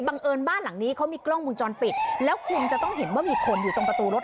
เอิญบ้านหลังนี้เขามีกล้องมุมจรปิดแล้วคุณจะต้องเห็นว่ามีคนอยู่ตรงประตูรถ